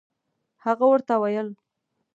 هغه ورته ویل.